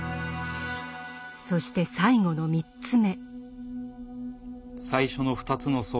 そして最後の３つ目。